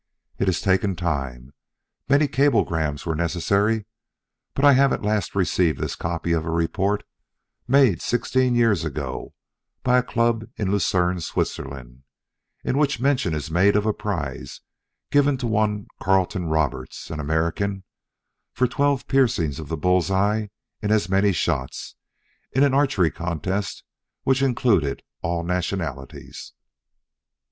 It has taken time. Many cablegrams were necessary, but I have at last received this copy of a report made sixteen years ago by a club in Lucerne, Switzerland, in which mention is made of a prize given to one Carleton Roberts, an American, for twelve piercings of the bull's eye in as many shots, in an archery contest which included all nationalities.